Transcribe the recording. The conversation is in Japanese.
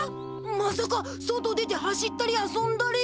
まさか外出て走ったり遊んだり。